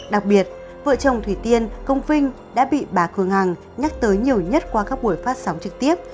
đặc biệt vợ chồng thủy tiên công vinh đã bị bà khương hằng nhắc tới nhiều nhất qua các buổi phát sóng trực tiếp